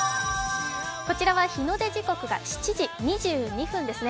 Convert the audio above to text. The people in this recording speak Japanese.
こちらは日の出時刻が７時２２分ですね。